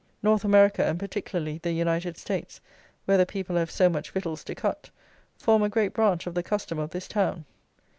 North America, and particularly the United States, where the people have so much victuals to cut, form a great branch of the custom of this town.